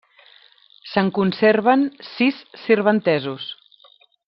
Se'n conserven sis sirventesos.